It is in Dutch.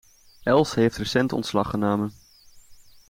Els heeft recent ontslag genomen.